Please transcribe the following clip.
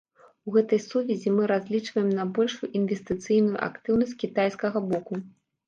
У гэтай сувязі мы разлічваем на большую інвестыцыйную актыўнасць кітайскага боку.